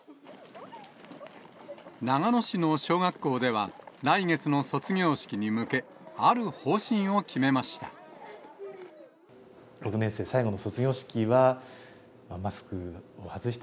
長野市の小学校では、来月の卒業式に向け、ある方針を決めました。